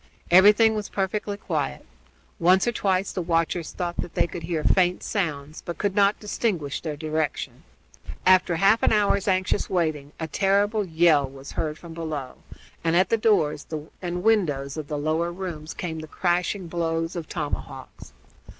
Everything was perfectly quiet. Once or twice the watchers thought that they could hear faint sounds, but could not distinguish their direction. After half an hour's anxious waiting a terrible yell was heard from below, and at the doors and windows of the lower rooms came the crashing blows of tomahawks.